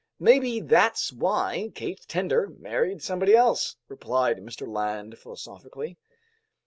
"Maybe that's why Kate Tender married somebody else," replied Mr. Land philosophically.